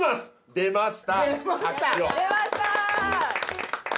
出ました！